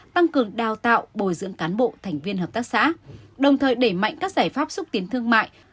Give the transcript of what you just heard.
tăng cường đào tạo bồi dưỡng cán bộ thành viên hợp tác xã đồng thời đẩy mạnh các giải pháp xúc tiến thương mại